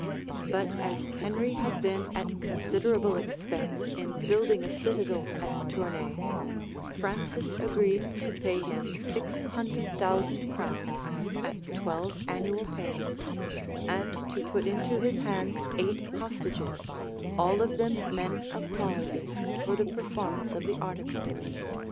But as Henry had been at considerable expense in building a citadel at Tournay, Francis agreed to pay him six hundred thousand crowns at twelve annual payments, and to put into his hands eight hostages, all of them men of quality, for the performance of the article.